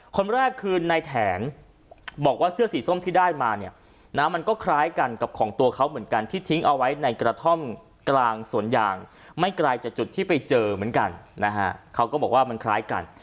คนแรกคือในแถงบอกว่าเสื้อสีส้มที่ได้มาเนี่ยนะมันก็คล้ายกันกับของตัวเขาเหมือนกันที่ทิ้งเอาไว้ในกระท่อมกลางสวนยางไม่ไกลจากจุดที่ไปเจอเหมือนกันนะฮะเขาก็บอกว่ามันคล้ายกัน